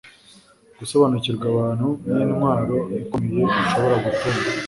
gusobanukirwa abantu nintwaro ikomeye ushobora gutunga